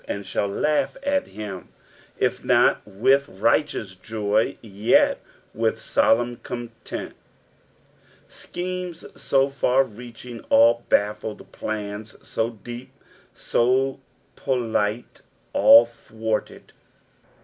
"And ghalllaiighat Aim." If not with righteous joy, yet with solemn contempt. Schemes so far reaching all baffled, plans SO deep, so politic, all thwarted.